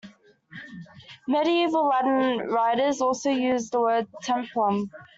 Medieval Latin writers also used the word "templum".